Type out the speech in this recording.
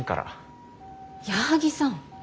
矢作さん。